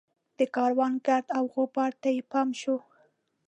د کاروان ګرد وغبار ته یې پام شو.